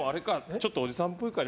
ちょっとおじさんっぽいから。